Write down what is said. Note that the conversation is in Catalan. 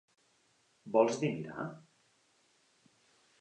Vols dir mirar?